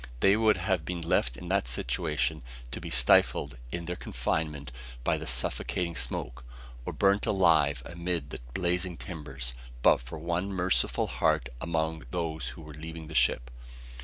They would have been left in that situation to be stifled in their confinement by the suffocating smoke, or burnt alive amid the blazing timbers, but for one merciful heart among those who were leaving the ship.